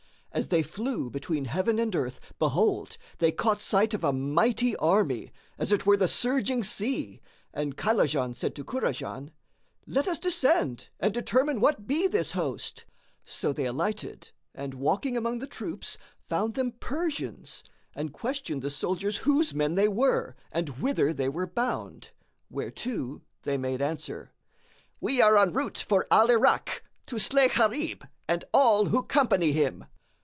As they flew between heaven and earth, behold, they caught sight of a mighty army, as it were the surging sea, and Kaylajan said to Kurajan, "Let us descend and determine what be this host." So they alighted and walking among the troops, found them Persians and questioned the soldiers whose men they were and whither they were bound; whereto they made answer, "We are en route for Al Irak, to slay Gharib and all who company him."